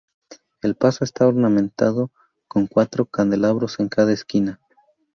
El paso está ornamentado con cuatro candelabros en cada esquina.